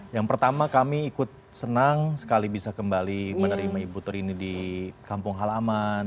yang pertama kami ikut senang sekali bisa kembali menerima ibu turini di kampung halaman